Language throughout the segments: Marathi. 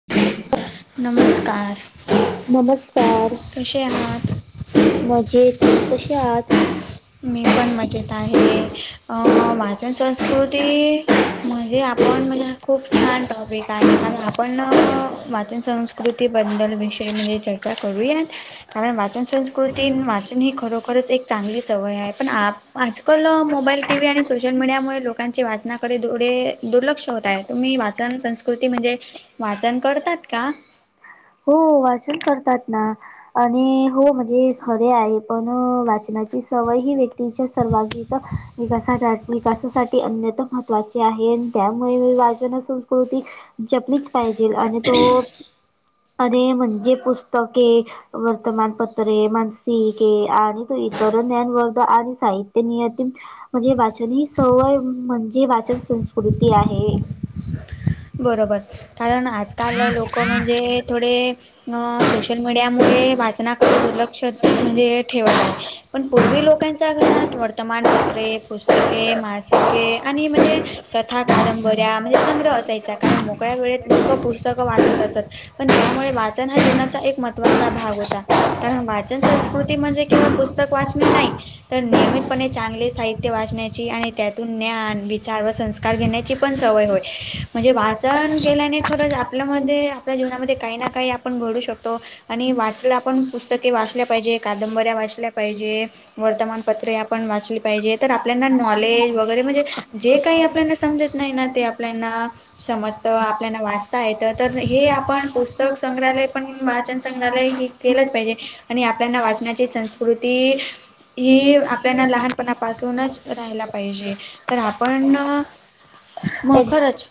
[inaudible] नमस्कार नमस कशे आहात मजेत कशी आहात. मी पण मजेत आहे माझं स- संस्कृती म्हंजे आपण म्हणजे खूप छान टॉपिक चालेल कारण आपण वाचन संस्कृतीबद्दल विषय म्हणजे चर्चा करूयात कारण वाचन संस्कृती अन् वाचन ही खरोखरच एक चांगली सवययें पण आजकाल ना मोबाईल टी व्ही आणि सोशल मीडियामुळे लोकांचे वाचनाकडे थोडे दुर्लक्ष होताय. तुम्ही वाचन संस्कृती म्हणजे वाचन करतात का? हों वाचन करतात ना! आणि हों म्हणजे खरे आहे पण वाचनाची सवय ही व्यक्तींच्या सर्वांगीक विकासासाठी विकासासाठी अन्यथ महत्त्वाचे आहे त्यामुळे वाचन संस्कृती जपलीच पाहिजेल आणि तो अरे म्हणंजे पुस्तके, वर्तमानपत्रे, मानसिके आ आणि तो इतर ज्ञान वर्ध आणि साहि ते नियतीन म्हणजे वाचन ही सवय म्हणजे वाचन संस्कृती आहे. बरोबर कारण आजकाल लोक म्हणजे थोडे ते अं सोशल मिडियामुळे वाचनाकडे दुर्लक्षत म्हणजे ठेवायें पण पूर्वी लोकांच्या घरात वर्तमानपत्रे, पुस्तके, मासिके, आणि म्हणजे कथा कादंबऱ्या म्हणजे संग्रह असायचा. कारण मोकळ्या वेळेत लोकं पुस्तकं वाचत असत पण त्यामुळे वाचन हा जीवनाचा एक महत्त्वाचा भाग होता कारण वाचन संस्कृती म्हणजे किंवा पुस्तक वाचणे नाही तर नियमित पण चांगले साहित्य वाचण्याची आणि त्यातून ज्ञान विचार व संस्कार घेण्याची पण सवय होय. म्हणजे वाचन केल्याने खरंच आपल्यामध्ये आपल्या जीवनामध्ये काही ना काही आपण घडू शकतो आणि वाचल्या आपण पुस्तके वाचल्या पाहिजे कादंबऱ्या वाचल्या पाहिजे वर्तमानपत्रे आप पण वाचली पाहिजे तर आपल्याना नॉलेज वगैरे म्हणजे जे काही आपल्याना समजत नाही ना ते आपल्यांना समजत आपल्यालनां वाचता येत तर हे आपण पु स्तक संग्रहालय पण वाचन संग्रहालय हे केलंच पाहिजे आणि आपल्यांना वाहनांची संस्कृती हि आपल्यांना लहानपणापासूनच राहायला पाहिजे तर आपण मग एक खरंच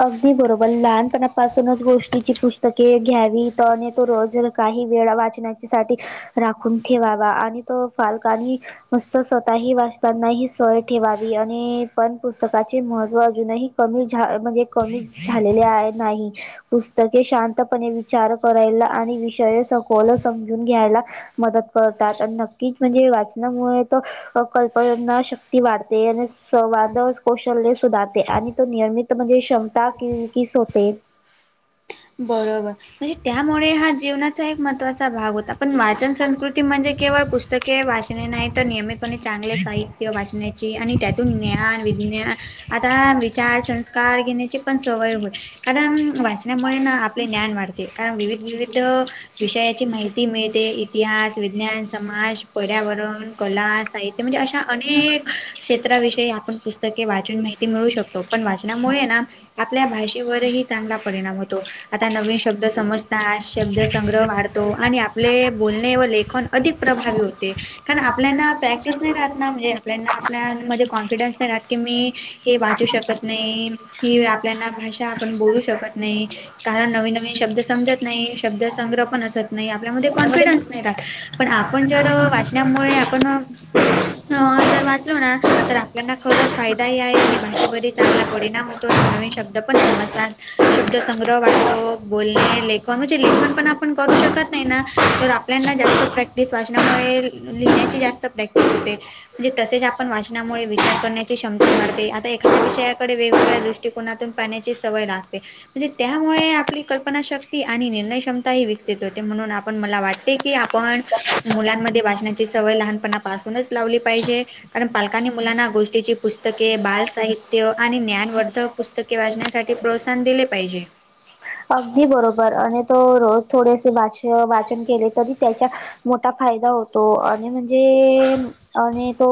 अगदी बरोबर लहानपणापासूनच गोष्टीची पुस्तके घ्यावी तरने तो जर काही हि वेळा वाचण्या साठी राखून ठेवावा आणि तो फालकांनी मस् तर स्वतःही वाचतांनाही सवय ठेवावी आणि पण पुस्तकाचे महत्त्व अजूनही कमी झा म्हणजे कमी झालेले आहे नाही पुस्तके शांत कृती पणे विचार करायला आणि विषय सखोल समजून घ्यायला मदत करतात आणि नक्कीच म्हणजे वाचनामुळे तर कल्पना शक्ती वाढते आणि स वादळ स्कोश तेलय सुधारते आणि तो नियमित म्हणजे क्षमता कि किस होते. बरोबर म्हणजे त्यामुळे हां जीवनाचा एक महत्वाचा भाग होता पण वाचन संस्कृती म्हणजे केवळ पुस्त पुस्तके वाचणे नाही तर नियमितपणे चांगले साहित्य वाचण्याची आणि त्यातून ज्ञान विज्ञान आता विचार संस्कार घेण्याची पण सवय होईल कारण वाचण्यामुळे ना आपले ज्ञान वाढते कारण विविध विविध विषयाची माहिती मिळते इतिहास, विज्ञान, समाज पर्यावरण, कला, साहित्य म्हणजे अशा अनेक क्षेत्राविषयी आपण पुस् पुस्तके वाचन माहिती मिळू शकतो पण वाचनामुळे ना आपल्या भाषेवर ही चांगला परिणाम होतो. आता नवीन शब्द समजतात शब्द संंग्रह वाढतो आणि आपले बोलणे व लेखन अधिक प्रभावी होते कारण आपल्यांना प्रॅक्टिस नाही राहतना म्हणजे आपल्याना आपल्यामध्ये कॉन्फिडन्स नाही राहत की मी हे वाचू शकत नाही ही आपल्याना भाषा आपण बोलू शकत नाही. कारण नवीन नवीन शब्द समजत नाही शब्द संग्रह पण असत नाही आपल्यामध्ये कॉन्फिडन्स नाही राहत पण आपण जर वाचण्यामुळे आपण जर वाचलो ना तर त्यांना खरच फायदा ही आहे आणि भाषेवर ही चांगला परिणाम होतो म्हणे शब्द पण समजतात शब्द संग्रह वाढतो बोलणे लेखन म्हणजे लेखन पण आपण करू शकत नाही ना तर आप आपल्यांना जास्त प्रॅक्टिस वाचनामुळे लिहिण्याची जास्त प्रॅक्टिस होते. म्हणजे तसेच आपण वाचनामुळे विचार करण्या ची क्षमता वाढते आता एखाद्या विषयाकडे वेगवेगळ्या दृष्टिकोनातून पाहण्याची सवय लागते म्हणजे त्यामुळे आपली कल्पनाशक्ती आणि निर्णय क्षमता ही विकसित होते म्हणून आपण मला वाटते की आपण मुलांमध्ये वाचण्याची सवय लहानपणापासूनच लावली पाहिजे कारण पालकांनी मुलांना गोष्टीची पुस्तके बाल साहित्य आणि ज्ञानवर्धक पुस्तके वाचण्यासाठी प्रोत्साहन दिले पाहिजे. अगदी बरोबर आणि तो रोज थोडेसे वाच वाचन केले तरी त्याच्या मोठा फायदा होतो आणि म्हणजे आणि तो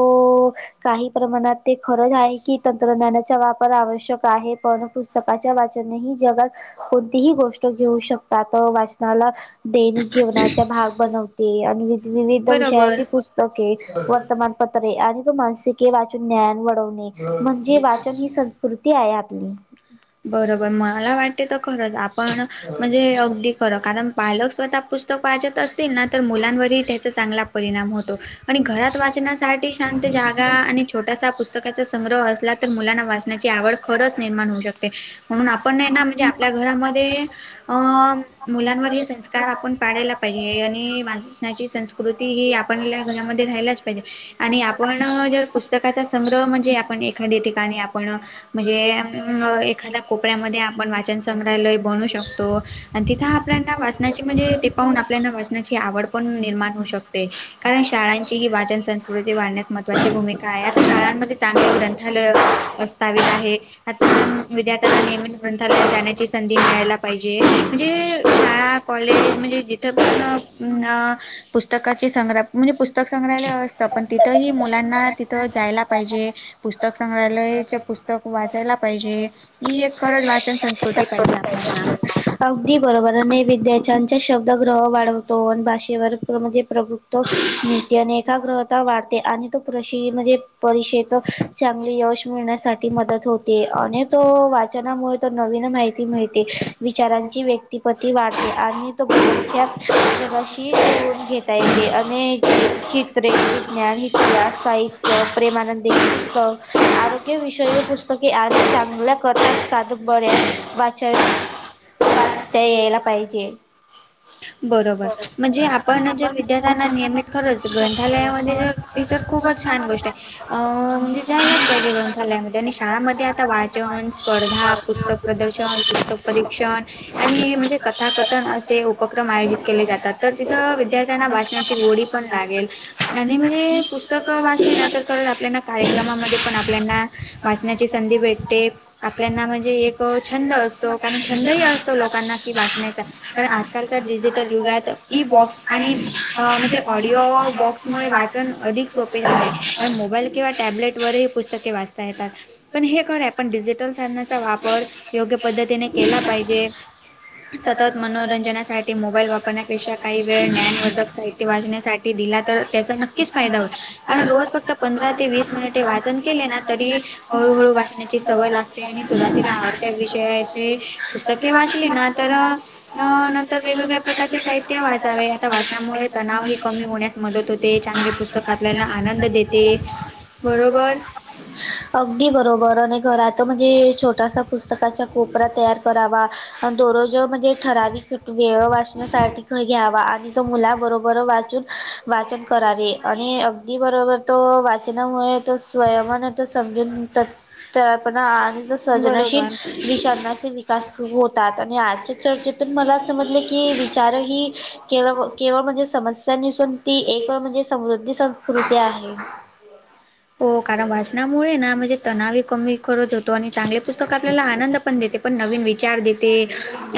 काही प्रमाणात ते खरंच आहे की तंत्रज्ञानाचा वापर आवश्यक आहे पण पुस्तकाच्या वाचन ही जगात कोणतीही गोष्ट घेऊ शकतात वाचनाला. दैनिक जीवनाचा भाग बनवते आणि विविध विषयाची बरोबर पुस्तके वर्तमानपत्रे आणि तो मानसिके वाचून ज्ञान वाढव म्हणजे वाचन ही संस्कृती आहे आपली बरोबर मला वाट ते खर आपण म्हणजे अगदी खर कारण पाहिल स्वतः पुस्तक वाचत अस तील ना तर मुलांवर ही त्याचा चांगला परिणाम होतो आणि घरात वाचनासा अति शांत जागा आणि छोटासा पुस्त पुस्तकाचा संग्रह वाचला तर तर मुलांना वाचण्याची आवड खरच निर्माण होऊ शकते म्हणून आपण न्हाय ना ज्या आपल्या घरामध्ये अ मुलांवर हे संस्कार आपण पाडयला. पाहिजे आणि वाचनाची संस्कृती ही आपणल्या घरामध्ये राहिलाच पाहिजे आणि आपण जर पुस्तकाचा संग्रह म्हणजे आपण एखादी ठिकाणी आपण म्हणजे एखाद्या कोपऱ्यामध्ये पण वाचन संग्रालय बनू शकतो तिथ आपल्या वाचना म्हणजे ते पाहून आपल्या वाचनाची आवड पण निर्माण होऊ शकते कारण शाळांची ही वाचन संस्कृती वाढण्यास महत्वाची भूमिका आहे आता शाळां मध्ये चांगले ग्रंथालय प्रस्थावित आहे. आता विध्यार्त्यांना नियमित ग्रंथालयात जाण्याची संधी मिळायला पाहिजे म्हणजे शाळा कॉलेज म्हणजे जिथे पण पुस्तकाची संग्र म्हणजे पुस्तक संग्रहालय असतं पण तिथही मुलांना तिथं जायला पाहिजे पुस्तक संग्रहालयचे पुस्तक वाचायला पाहिजे ही एक खरंच वाचन संस्कृती पाहिजे आपल्याना. अगदी बरोबर आणि विद्याच्यांचे शब्दग्रह वाढवतो भाषेवर म्हणजे प्रभु त्व नित्यने एकाग्रहता वाढते आणि खूप रशी म्हणजे परीक्षेत चांगले यश मिळण्यासाठी मदत होते आणि तो वाचनामुळं तो नवीन माहिती मिळते. विचारांची व्यक्तिपती वाढते आणि तो बदलच्या जगाशी निवडून घेत. [unintelligible] प्रेम, विज्ञान, इतिहास साहित्य प्रेमानंदी पुस्तक आरो विषयी पुस्तके आणि चांगल्या कथच कादंबऱ्या वाचन. वाचत यायला पाहिजे. बरोबर, म्हणजे आपण जर विद्यार्थ्यांना नियमित खरच ग्रंथालयामध्ये जर ती तर खूपच छान गोष्ट आहे. अ म्हणजे जायलाच पाहिजे ग्रंथालयामध्ये आणि शाळामध्ये आता वाढ वचन स्पर्धा पुस्तक प्रदर्शन पुस्तक परीक्षण, आणि म्हणजे कथाकथन असे क्रम आयोजित केले जातात. तर तिथ विद्यार्थ्यांना भासण्याची गोडी पण लागेल आणि म्हणजे पुस्तकं वाचली ना तर खरच आपल्याना कार्यक्रमामध्ये पण आपल्याना वाचण्याची संधी भेटते आपल्याना म्हणजे एक छंद असतो. कारण छंदही असतो लोकांना की वाचण्यायचा कारण आज आजच्या डिजिटल युगात ई बॉक्स आणि म्हणजे ऑडिओ बॉक्समुळे वाचन अधिक सोप सोपे झाले आहे. कारण मोबाईल किंवा टॅबलेट वरही पुस्तके वाचता येतात. पण हे खर आहे पण डिजिटल साधनाचा वापर योग्य पद्धतीने केला पाहिजे, सतत मनोरंजनासा साठी मोबाईल वापरण्यापेक्षा काही वेळ ज्ञानवर्धक साहित्य वाजण्यासाठी दिला तर त्याचा नक्की नक्कीच फायदा होईल, कारण रोज फक्त पंधरा ते वीस मिनिटे वाचन केले ना तरी हळू-हळू वाचण्याची सवय लागते आणि सुरवातीला आवडते. त्या विषयाचे पुस्तके वाचली ना तर अ तर वेगवेगळ्या प्रकारचे साहित्य वाचावे आता वाचनामुळे तणाव ही कमी होण्यास मदत होते. ते चांगले पुस्तक आपल्याला आनंद देते, बरोबर अगदी बरोबर आणि घरात म्हणजे छोटासा पुस्तकाच्या कोपरा तयार करावा दोररोज म्हणजे ठरावी क वेळ वाचण्यासाठी ख घ्यावा आणि तो मुला बरोबर वाच वाचन करावे आणि अगदी बरोबर तो वाचनामुळे तर स्वयमानता समजून त पण आज तर सृजनशील बरोबर वी साधनाचे वि तास सुरू होतात. आणि आजच्या चर्चेतून मला समजलं की विचारही केलं केवळ म्हणजे समस्यां निसून ती एक म्हणजे समृद्धी संस्कृती आहे. हो, कारण वाचनामुळे ना म्हणजे तणावी कमी करत होतो, आणि चांगले पुस्तक आपल्याला आनंद पण देते पण नवीन वि चार देते,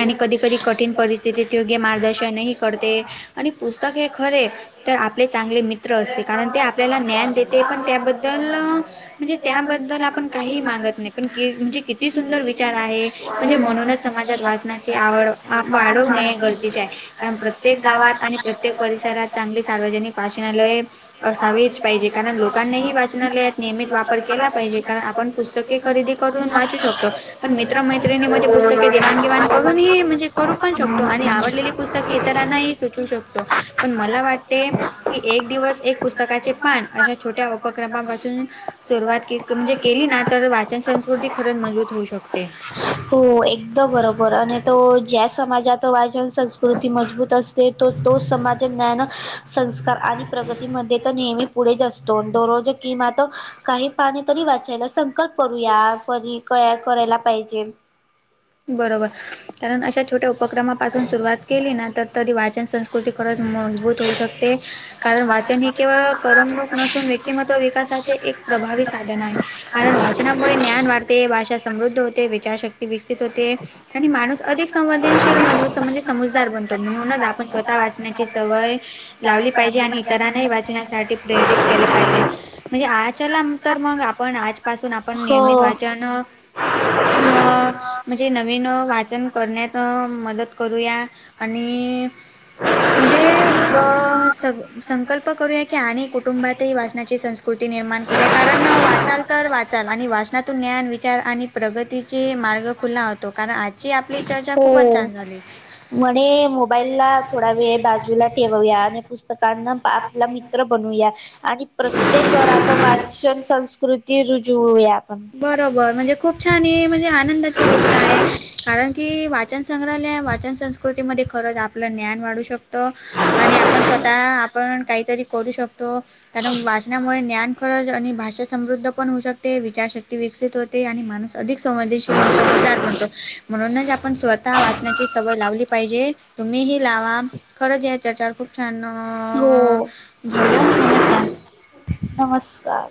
आणि कधी-कधी कठीण परिस्थितीत योग्य मार्गदर्शनही करते. आणि पुस्तक हे खरे तर आपले चांगले मित्र असते. कारण ते आपल्याला ज्ञान देते पण त्याबद्दल तल त्याबद्दल आपण काही मागत नाही, पण म्हणजे किती सुंदर विचार आहे. म्हणजे म्हणूनच समाजात वाचनाची आवड वाढवणे हे गरजेचे आहे. कारण प्रत्येक प्रत्येक गावात आणि प्रत्येक परिसरात चांगली सार्वजनिक वाचनालय असावीच. पाहिजे, कारण लोकांनीही वाचनालयात नियमित वापर केला पाहिजे. कारण आपण पुस्तके खरेदी करून वाचू शकतो. पण मित्र मैत्रिणी मध्ये पुस्तके देवाणघेंवाण करूनही म्हणजे करू पण शकतो. आणि आवडलेली पुस्तके इतरांनाही सुचू शकतो. पण मला वाटते कि एक दिवस एक पुस्तकाचे पान, अशा छोट्या उपक्रमापासून सुरवात म्हणजे केली ना, तर वाचन संस्कृती खरंच मजबूत होऊ शकते हो, एकदम बरोबर आणि तो ज्या समाजातात वाचन संस्कृती मजबूत असते. तो-तो समाज ज्ञान संस्कार आणि प्रगतीमध्ये तर नेहमी पुढेच असतो दोरोज किंमा त काही पाणी तरी वाचायला संकल्प करूया, आपण कधी क करायला पाहिजे बरोबर, कारण अशा छोट्या उपक्रमापासून सुरुवात केली ना तर तरी वाचन संस् ख मजबूत होऊ शकते कारण वाचन हे केवळ करमणूक नसून व्य व्यक्तिमत्व विकासाचे एक प्रभावी साधन आहे. कारण वाचनामुळे ज्ञान वाढते भाषा समृद्ध होते विचारशक्ती आणि माणूस अधिक संदनशील मज म्हणजे समुजदार बनतो म्हण पण स्वतः वाचण्याची सवय लावली पाहिजे आणि इतरांना वाचण्यासाठी प्ररित केले पाहिजे म्हणजे आच्याला तर मग पण आजपासून आपण नियमित वाचन अ म्हणजे नवीन वाचन करण्यात मदत करूया आणि म्हणजे संकल्प करूया की आणि कुटुंबातही वाचनाची संस्क कुर्ती निर्माण करुया कारण वाचल तर वाचाल आणि वाचनातून ज्ञान विचार आणि प्रगतीचे मार्ग खुला होतो कारण आजची आपली चर्चा खूपच हो हो छान झाली म्हणे मोबाईल ला थोडा वेळ बाजूला ठेवया आणि पुस्तकांना आपला मित्र. बनूया आणि प्रत्येक घरात वाचन संस्कृती रुजवूया आपण. बरोबर म्हणजे खूप छान ह म्हणजे आनंदाची गोष्ट आहे कारण की वाचन संग्रहालय वाचन संस् प्रकृतीमध्ये खरंच आपलं ज्ञान वाढू शकतो- आणि आपण स्वतः आपण काहीतरी करू शकतो? कारण वाचनामुळे ज्ञान खरच आणि भाषा समृद्ध पण होऊ शकते विचार शकते विकसित होते आणि माणूस अधिक संवेदनशील समजदार बनतो म्हणूनच आपण स्वतः वाचनाची सवय लावली पाहिजे तुम्ही लावा खरंच या चार चार फूट फॅन हो झालं नमस्कार [inaudible] नमस्कार